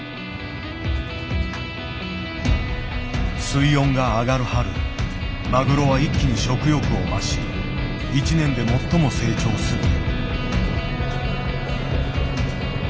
水温が上がる春マグロは一気に食欲を増し一年で最も成長する。